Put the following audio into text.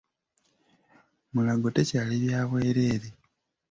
Mulago tekyali bya bwereere